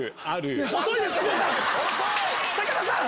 武田さん！